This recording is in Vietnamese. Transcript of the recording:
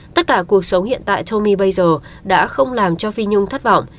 tất cả cuộc sống hiện tại tomi bây giờ đã không làm cho phi nhung thất vọng